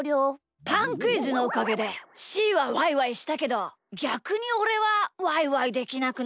パンクイズのおかげでしーはワイワイしたけどぎゃくにおれはワイワイできなくなっちゃいました！